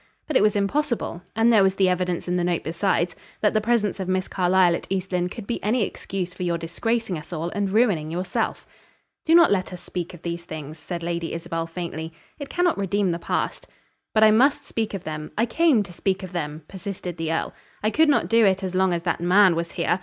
But it was impossible, and there was the evidence in the note besides, that the presence of Miss Carlyle at East Lynne could be any excuse for your disgracing us all and ruining yourself." "Do not let us speak of these things," said Lady Isabel, faintly. "It cannot redeem the past." "But I must speak of them; I came to speak of them," persisted the earl; "I could not do it as long as that man was here.